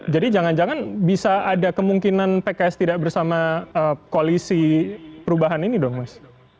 jadi jangan jangan bisa ada kemungkinan pks tidak bersama koalisi perubahan ini dong mas